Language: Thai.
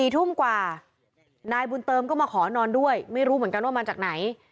๔ทุ่มกว่านายบุญเติมก็มาขอนอนด้วยไม่รู้เหมือนกันว่ามาจากไหน